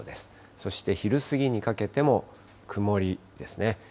そして昼過ぎにかけても、曇りですね。